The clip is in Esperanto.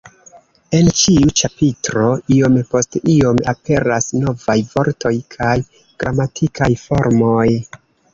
En ĉiu ĉapitro iom post iom aperas novaj vortoj kaj gramatikaj formoj.